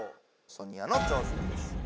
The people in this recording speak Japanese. ソニアの挑戦です。